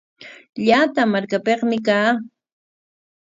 Llata markapikmi kaa.